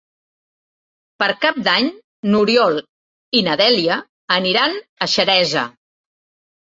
Per Cap d'Any n'Oriol i na Dèlia aniran a Xeresa.